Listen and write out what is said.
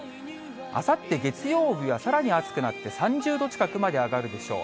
あさって月曜日はさらに暑くなって、３０度近くまで上がるでしょう。